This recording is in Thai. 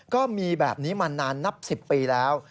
ก็มีแบบนี้มานานนับ๑๐ปีแล้ว